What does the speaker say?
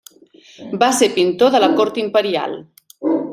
Va ser pintor de la cort imperial.